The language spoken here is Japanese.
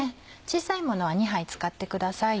小さいものは２はい使ってください。